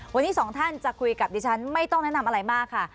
วันนี้สองท่านจะคุยกับดิฉันไม่ต้องแนะนำอะไรมากค่ะ